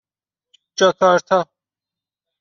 جاکارتا